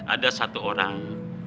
ada satu orang